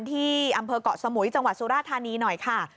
ที่อำเภอกเกาะสมุยจังหวัดสุราธานีหน่อยค่ะ